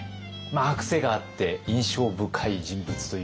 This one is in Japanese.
くせがあって印象深い人物という印象がね